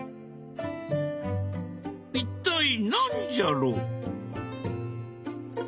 一体何じゃろ？